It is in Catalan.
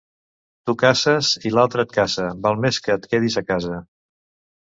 Tu caces i altre et caça; val més que et quedis a casa.